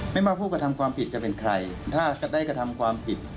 ไม่ว่าผู้กระทำความผิดจะเป็นใครถ้าได้กระทำความผิด